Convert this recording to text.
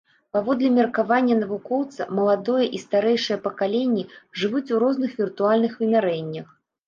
Паводле меркавання навукоўца, маладое і старэйшае пакаленні жывуць у розных віртуальных вымярэннях.